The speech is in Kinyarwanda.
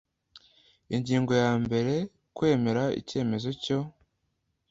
Ingingo ya mbere Kwemera icyemezo cyo